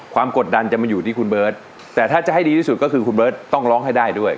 กดดันจะมาอยู่ที่คุณเบิร์ตแต่ถ้าจะให้ดีที่สุดก็คือคุณเบิร์ตต้องร้องให้ได้ด้วย